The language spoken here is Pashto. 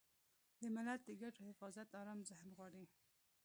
د ملت د ګټو حفاظت ارام ذهن غواړي.